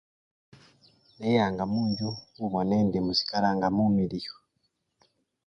Neyanga munjju khubona indi musikala nga mumiliyu.